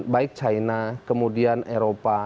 baik china kemudian eropa